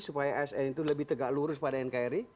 supaya asn itu lebih tegak lurus pada nkri